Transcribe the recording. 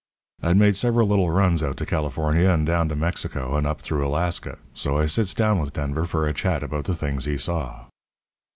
"I'd made several little runs out to California and down to Mexico and up through Alaska, so I sits down with Denver for a chat about the things he saw.